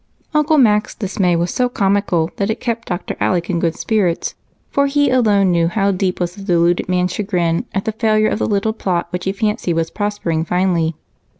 Uncle Mac's dismay was so comical that it kept Dr. Alec in good spirits, for he alone knew how deep was the deluded man's chagrin at the failure of the little plot which he fancied was prospering finely.